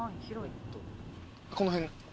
この辺。